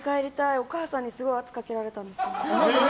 お母さんにすごい圧をかけられたんですよ。